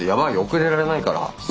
遅れられないから。